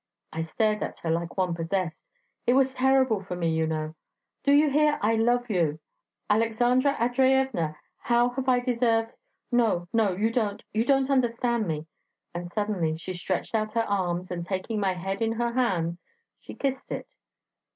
I stare at her, like one possessed; it was terrible for me, you know. 'Do you hear, I love you!' 'Aleksandra Andreyevna, how have I deserved ' 'No, no, you don't you don't understand me.'... And suddenly she stretched out her arms, and taking my head in her hands, she kissed it...